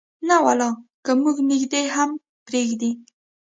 نه ولا که مو نږدې هم پرېږدي.